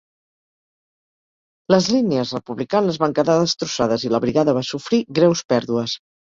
Les línies republicanes van quedar destrossades i la brigada va sofrir greus pèrdues.